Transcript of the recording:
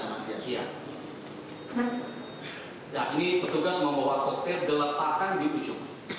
nah ini petugas membawa koktel diletakkan di ujung